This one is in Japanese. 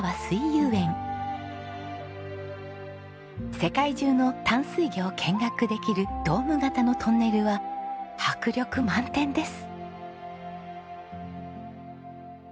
世界中の淡水魚を見学できるドーム形のトンネルは迫力満点です。